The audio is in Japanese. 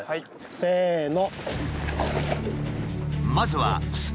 せの。